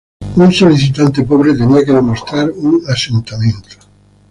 Un solicitante pobre tenía que demostrar un "asentamiento".